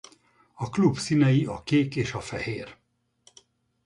A klub színei a kék és a fehér.